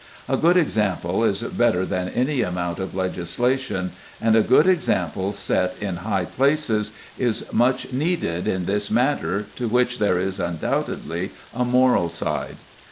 A good example is better than any amount of legislation, and a good example set in high places is much needed in this matter, to which there is undoubtedly a moral side.